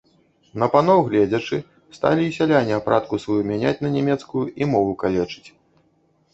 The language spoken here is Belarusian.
На паноў гледзячы, сталі і сяляне апратку сваю мяняць на нямецкую і мову калечыць.